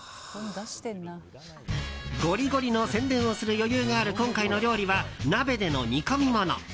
ゴリゴリの宣伝をする余裕がある今回の料理は鍋での煮込みもの。